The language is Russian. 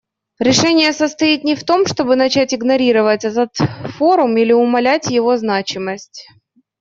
Решение состоит не в том, чтобы начать игнорировать этот форум или умалять его значимость.